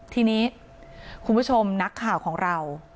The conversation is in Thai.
ทีนี้คุณผู้ชมนักข่าวของเรา